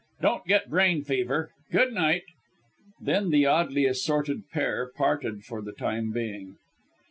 Don't get brain fever. Good night!" Then the oddly assorted pair parted for the time being.